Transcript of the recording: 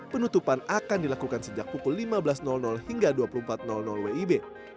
penutupan akan dilakukan sejak pukul lima belas hingga dua puluh empat wib